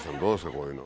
こういうの。